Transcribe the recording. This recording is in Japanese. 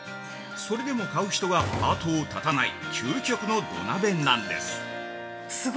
それでも買う人が後を絶たない究極の土鍋なんです。